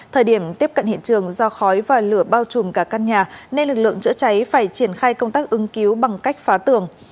thời điểm tiếp cận hiện trường do khói và lửa bao trùm cả căn nhà nên lực lượng chữa cháy phải triển khai công tác ứng cứu bằng cách phá tường